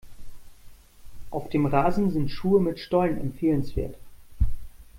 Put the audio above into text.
Auf dem Rasen sind Schuhe mit Stollen empfehlenswert.